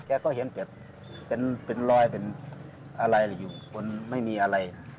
แกก็เห็นแต่เป็นรอยเป็นอะไรอยู่บนไม่มีอะไร